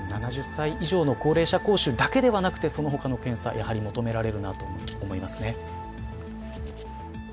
７０歳以上の高齢者講習だけではなく、その他の検査、やはり求められるなと思いますね。